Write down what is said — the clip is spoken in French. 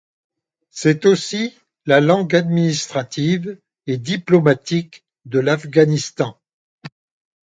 C'est aussi la langue administrative et diplomatique de l'Afghanistan.